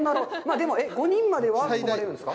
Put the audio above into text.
でも、５人までは泊まれるんですか？